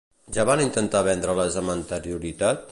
Ja van intentar vendre-les amb anterioritat?